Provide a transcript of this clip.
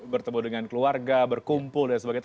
bertemu dengan keluarga berkumpul dan sebagainya